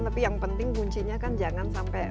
tapi yang penting kuncinya kan jangan sampai